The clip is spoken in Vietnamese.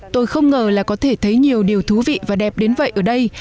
tôi không ngờ là có thể thấy nhiều điều thú vị và đẹp đến vậy ở đây